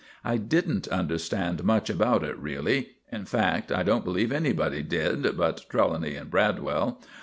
I didn't understand much about it really. In fact, I don't believe anybody did but Trelawny and Bradwell.